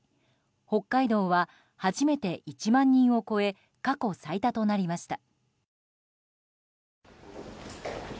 北海道は初めて１万人を超え過去最多となりました。